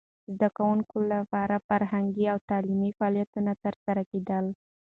د زده کوونکو لپاره فرهنګي او تعلیمي فعالیتونه ترسره کېدل.